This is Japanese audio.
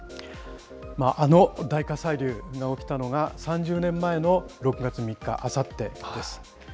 あの大火砕流が起きたのが、３０年前の６月３日、あさってです。